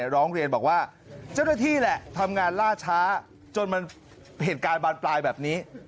ร้องเรียนบอกว่าเจ้าหน้าที่แหละทำงานล่าช้าจนมันเหตุการณ์บานปลายแบบนี้